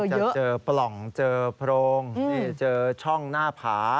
จะเจอปล่องเจอโพรงเจอช่องหน้าผา